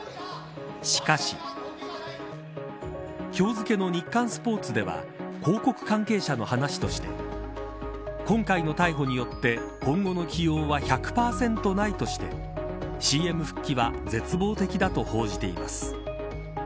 しかし今日付の日刊スポーツでは広告関係者の話として今回の逮捕によって今後の起用は１００％ないとして、ＣＭ復帰は絶望的だと報じています。